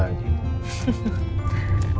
aku yang salah